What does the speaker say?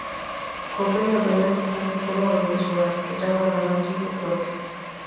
Cómpre ir aprendendo como funciona o audiovisual, que ten unha narrativa propia.